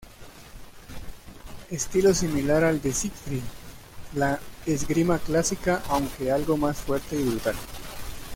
Estilo similar al de Siegfried, la esgrima clásica aunque algo más fuerte y brutal.